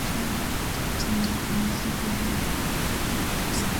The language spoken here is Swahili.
Mzigo huu ni mzito sana.